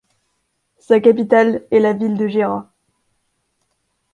Sa capitale est la ville de Gera.